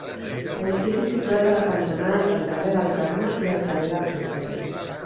Edifici situat a la cantonada entre el carrer del Carme i el carrer dels Metges.